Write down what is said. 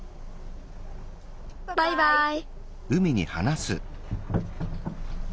バイバイ。